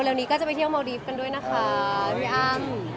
เดี๋ยวนี้ก็จะไปเที่ยวเมาดีฟกันด้วยนะคะพี่อ้ำ